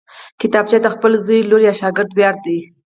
کتابچه د خپل زوی، لور یا شاګرد ویاړ ده